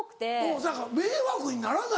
せやから迷惑にならない？